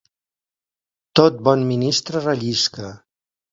Tot bon ministre rellisca.